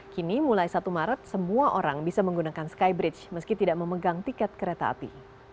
kini mulai satu maret semua orang bisa menggunakan skybridge meski tidak memegang tiket kereta api